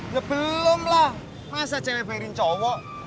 ya belum lah masa cewek bayarin cowok